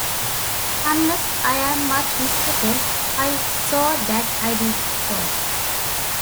Unless I am much mistaken, I saw that I did so.